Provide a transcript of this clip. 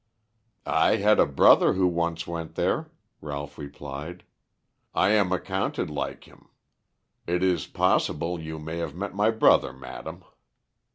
"I had a brother who once went there," Ralph replied. "I am accounted like him. It is possible you may have met my brother, madam."